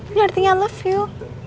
ini artinya i love you